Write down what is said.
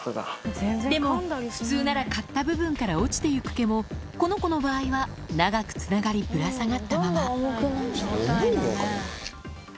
でも普通なら刈った部分から落ちていく毛も、この子の場合は、長くつながり、ちょっと重いのかな。